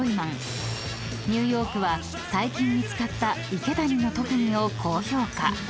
［ニューヨークは最近見つかった池谷の特技を高評価］